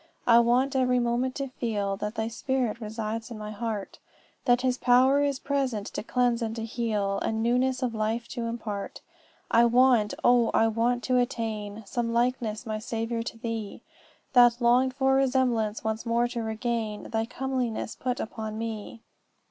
"'I want every moment to feel That thy Spirit resides in my heart That his power is present to cleanse and to heal, And newness of life to impart. "'I want oh! I want to attain Some likeness, my Saviour, to thee! That longed for resemblance once more to regain, Thy comeliness put upon me.